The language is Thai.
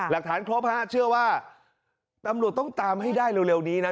หลักฐานครบฮะเชื่อว่าตำรวจต้องตามให้ได้เร็วนี้นะ